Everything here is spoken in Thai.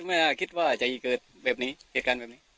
น่าคิดว่าจะเกิดแบบนี้เหตุการณ์แบบนี้